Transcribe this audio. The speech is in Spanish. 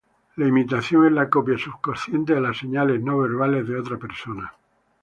La imitación es la copia subconsciente de las señales no verbales de otra persona.